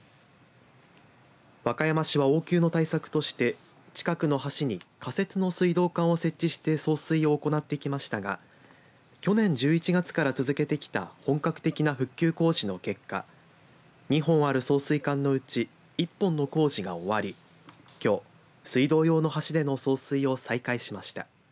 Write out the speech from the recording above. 和歌山市は応急の対策として近くの橋に仮設の水道管を設置して送水を行ってきましたが去年１１月から続けてきた本格的な復旧工事の結果２本はある送水管のうち１本の工事が終わりきょう、水道用の橋での送水を再開しました。